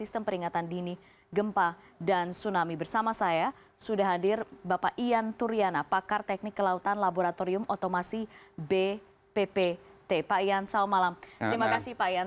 terima kasih pak iyan